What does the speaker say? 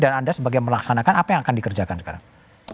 dan anda sebagai yang melaksanakan apa yang akan dikerjakan sekarang